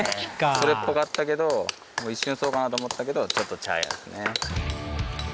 それっぽかったけど一瞬そうかなと思ったけどちょっとちゃう。